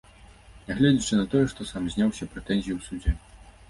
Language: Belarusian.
Нягледзячы на тое, што сам зняў усе прэтэнзіі ў судзе.